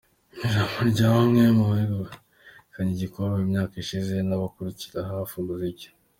Ijambo rya bamwe mu begukanye igikombe mu myaka yashize n’abakurikiranira hafi umuziki.